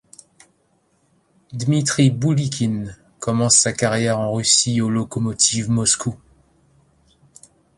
Dmitry Bulykin commence sa carrière en Russie au Lokomotiv Moscou.